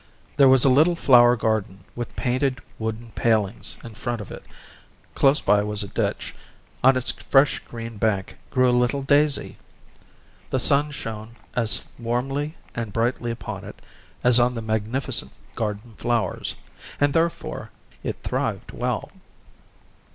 There was a little flower garden with painted wooden palings in front of it; close by was a ditch, on its fresh green bank grew a little daisy; the sun shone as warmly and brightly upon it as on the magnificent garden flowers, and therefore it thrived well.